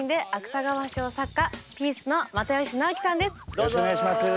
よろしくお願いします。